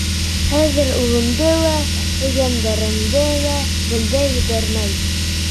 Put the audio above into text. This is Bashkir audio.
Хәҙер улымды ла, ейәндәремде лә бында ебәрмәй.